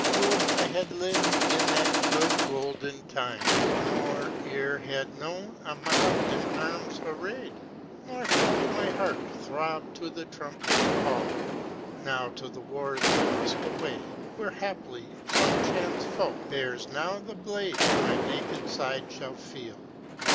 Would I had lived In that good, golden time; nor e'er had known A mob in arms arrayed; nor felt my heart Throb to the trumpet's call! Now to the wars I must away, where haply some chance foe Bears now the blade my naked side shall feel.